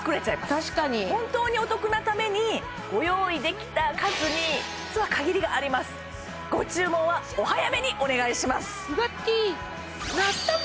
確かに本当にお得なためにご用意できた数に実は限りがありますご注文はお早めにお願いします